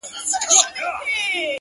و دې محفل ته سوخه شنگه پېغلچکه راځي _